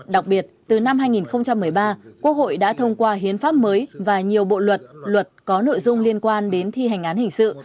đặc biệt từ năm hai nghìn một mươi ba quốc hội đã thông qua hiến pháp mới và nhiều bộ luật luật có nội dung liên quan đến thi hành án hình sự